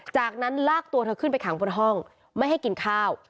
จากนั้นลากตัวเธอขึ้นไปขังบนห้องไม่ให้กินข้าว